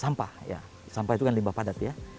sampah ya sampah itu kan limbah padat ya